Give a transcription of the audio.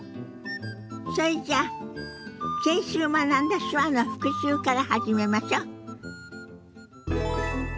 それじゃあ先週学んだ手話の復習から始めましょ。